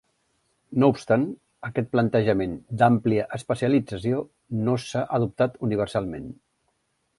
No obstant, aquest plantejament "d'àmplia especialització" no s'ha adoptat universalment.